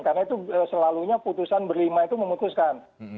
karena itu selalunya putusan berlima itu memutuskan